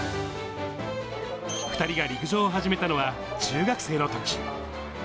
２人が陸上を始めたのは中学生のとき。